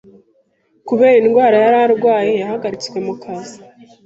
kubera indwara yararwaye yahagaritswe mukazi